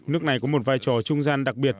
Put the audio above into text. nước này có một vai trò trung gian đặc biệt